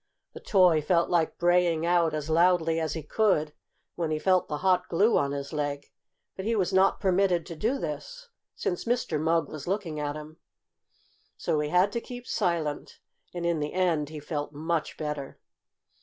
The toy felt like braying out as loudly as he could when he felt the hot glue on his leg, but he was not permitted to do this, since Mr. Mugg was looking at him. So he had to keep silent, and in the end he felt much better.